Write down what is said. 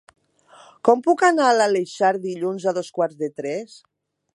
Com puc anar a l'Aleixar dilluns a dos quarts de tres?